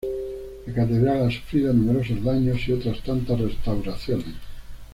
La catedral ha sufrido numerosos daños y otras tantas restauraciones.